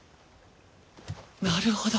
なるほど。